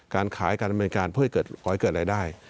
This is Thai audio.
การขายการแบบนี้การเพื่อให้เกิดหอยเกิดรายได้